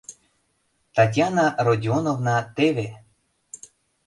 — Татьяна Родионовна... теве!